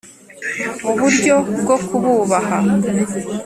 mu buryo bwo kububaha